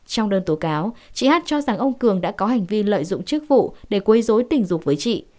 trong đơn tố cáo chị hát cho rằng ông cường đã có hành vi lợi dụng chức vụ để quấy dối tình dục với chị